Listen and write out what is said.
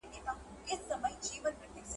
څېړونکو ادبي څېړني پیل کړي دي.